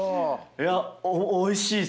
いやおいしいっす。